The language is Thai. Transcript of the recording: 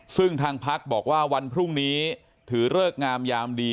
ซึ่งทางพักบอกว่าวันพรุ่งนี้ถือเลิกงามยามดี